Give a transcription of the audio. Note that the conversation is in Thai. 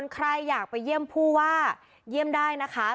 ใครอยากไปเยี่ยมผู้ว่าเยี่ยมได้นะคะ